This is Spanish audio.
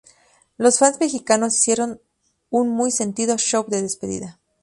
Los fans mexicanos hicieron un muy sentido "show de despedida".